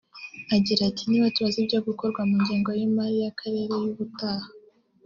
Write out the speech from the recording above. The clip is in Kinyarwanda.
Agira ati “Nibatubaza ibyakorwa mu ngengo y’imari y’akarere y’ubutaha